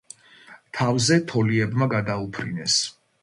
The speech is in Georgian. თავზე თოლიებმა გადაუფრინეს.